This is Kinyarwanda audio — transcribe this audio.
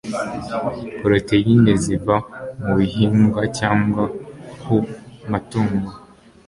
poroteyine ziva mu bihingwa cyangwa ku matungo